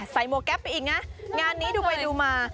หมวกแก๊ปไปอีกนะงานนี้ดูไปดูมา